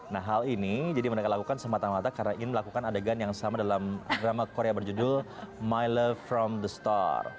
nah hal ini jadi mereka lakukan semata mata karena ingin melakukan adegan yang sama dalam drama korea berjudul my love from the store